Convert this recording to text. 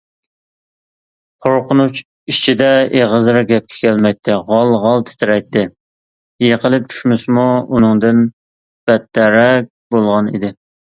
قورقۇنچ ئىچىدە ئېغىزلىرى گەپكە كەلمەيتتى، غال-غال تىترەيتتى، يىقىلىپ چۈشمىسىمۇ ئۇنىڭدىن بەتتەررەك بولغان ئىدى.